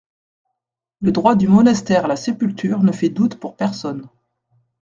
Le droit du monastère à la sépulture ne fait doute pour personne.